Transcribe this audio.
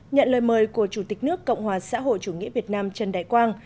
nhận lời mời của chủ tịch nước cộng hòa xã hội chủ nghĩa việt nam trần đại quang